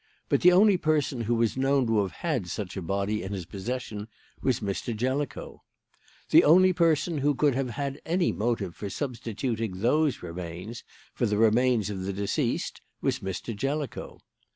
But the only person who was known to have had such a body in his possession was Mr. Jellicoe. "The only person who could have had any motive for substituting those remains for the remains of the deceased was Mr. Jellicoe.